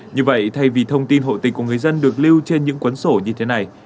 như vậy thay vì thông tin hộ tịch của người dân được lưu trên những cuốn sổ như thế này